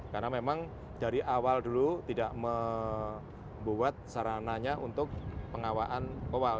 karena memang dari awal dulu tidak membuat sarananya untuk pengawaan kowal